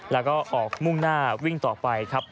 แล้วก็ออกมุ่งหน้าวิ่งต่อไปครับ